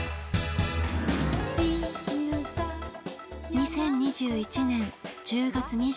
２０２１年１０月２７日。